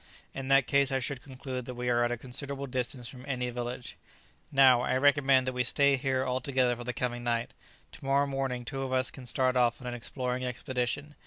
In that case I should conclude that we are at a considerable distance from any village. Now, I should recommend that we stay here altogether for the coming night. To morrow morning, two of us can start off on an exploring expedition.